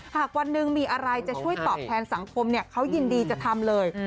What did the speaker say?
หากวันหนึ่งมีอะไรจะช่วยตอบแทนสังคมเขายินดีจะทำเลย